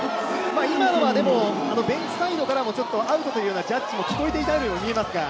今のはベンチサイドからもアウトというようなジャッジも聞こえていたように見えますが。